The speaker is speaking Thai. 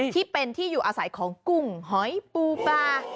ที่เป็นที่อยู่อาศัยของกุ้งหอยปูปลา